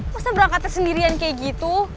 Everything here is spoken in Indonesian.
masa berangkatnya sendirian kayak gitu